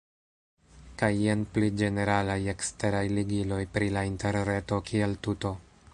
Kaj jen pli ĝeneralaj eksteraj ligiloj pri la interreto kiel tuto.